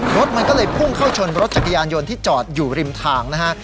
รถมันก็เลยพุ่งเข้าชนรถจักรยานยนต์ที่จอดอยู่ริมทางนะฮะ